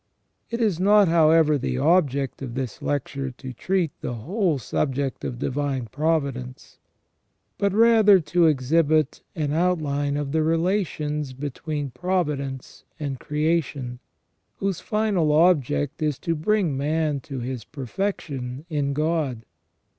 It is not, however, the object of this lecture to treat the whole subject of divine providence, but rather to exhibit an outline of the relations between providence and creation, whose final object is to bring man to his perfection in God.